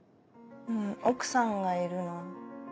奥さんがいるの。